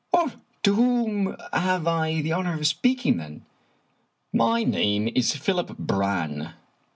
" To whom have I the honor of speaking, then? "" My name is Philip Brann."